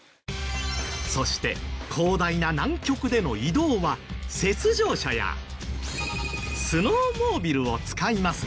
そして広大な南極での移動は雪上車やスノーモービルを使いますが。